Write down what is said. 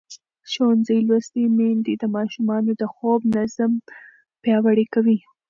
ښوونځې لوستې میندې د ماشومانو د خوب نظم پیاوړی کوي.